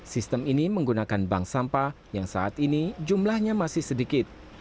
sistem ini menggunakan bank sampah yang saat ini jumlahnya masih sedikit